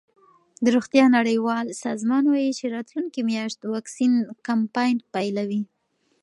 د روغتیا نړیوال سازمان وايي چې راتلونکې میاشت واکسین کمپاین پیلوي.